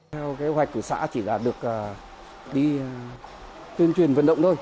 theo kế hoạch của xã chỉ là được đi tuyên truyền vận động thôi